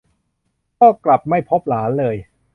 ก็กลับไม่พบหลานเลย